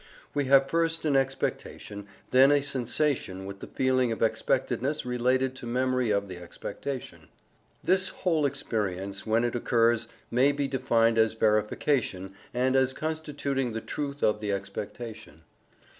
We have first an expectation, then a sensation with the feeling of expectedness related to memory of the expectation. This whole experience, when it occurs, may be defined as verification, and as constituting the truth of the expectation.